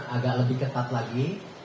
agak lebih ketat lagi